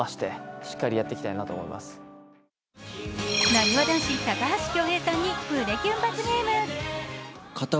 なにわ男子・高橋恭平さんに胸キュン罰ゲーム。